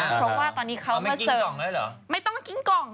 เพราะว่าตอนนี้เขามาเสิร์ฟไม่ต้องกินกล่อง